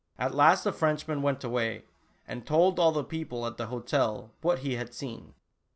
At last the Frenchman went away, and told all the people at the hotel what he had seen.